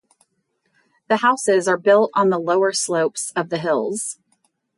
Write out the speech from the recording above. The houses are built on the lower slopes of the hills.